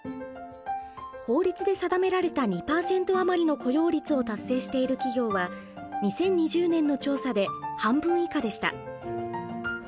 法律で定められた２％余りの雇用率を達成している企業は２０２０年の調査で半分以下でした。